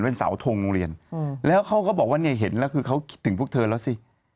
เป็นเสาทงโรงเรียนแล้วเขาก็บอกว่าเนี่ยเห็นแล้วคือเขาคิดถึงพวกเธอแล้วสิ